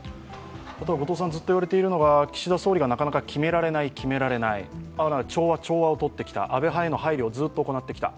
ずっと言われているのが岸田総理がなかなか決められない、調和をとってきた、安倍派への配慮をずっと行ってきた。